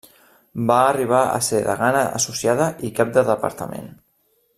Va arribar a ser degana associada i cap de departament.